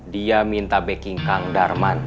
dia minta backing kang darman